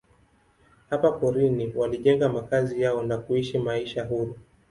Hapa porini walijenga makazi yao na kuishi maisha huru.